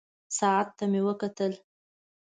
ساعت ته مې وکتلې.